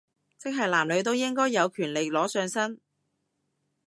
即係男女都應該有權利裸上身